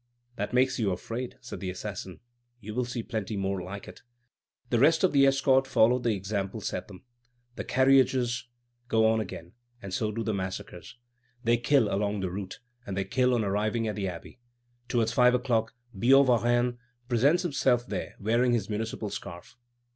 "That makes you afraid," said the assassin; "you will see plenty more like it." The rest of the escort followed the example set them. The carriages go on again, and so do the massacres. They kill along the route, and they kill on arriving at the Abbey. Towards five o'clock, Billaud Varennes presents himself there, wearing his municipal scarf.